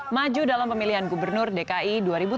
maju dalam pemilihan gubernur dki dua ribu tujuh belas